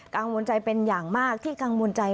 กังวลใจเป็นอย่างมากที่กังวลใจ